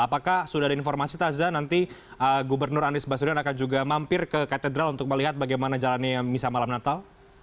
apakah sudah ada informasi taza nanti gubernur anies basudan akan juga mampir ke katedral untuk melihat bagaimana jalannya misa malam natal